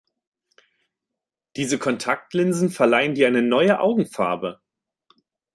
Diese Kontaktlinsen verleihen dir eine neue Augenfarbe.